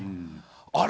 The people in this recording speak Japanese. あれ？